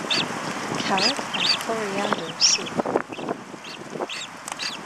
Carrot and coriander soup.